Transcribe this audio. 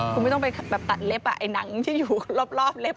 คุณไม่ต้องไปแบบตัดเล็บไอ้หนังที่อยู่รอบเล็บ